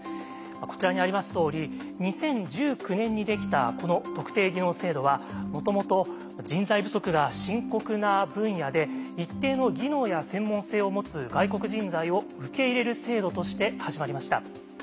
こちらにありますとおり２０１９年にできたこの特定技能制度はもともと人材不足が深刻な分野で一定の技能や専門性を持つ外国人材を受け入れる制度として始まりました。